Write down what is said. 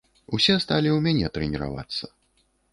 Усе сталі ў мяне трэніравацца.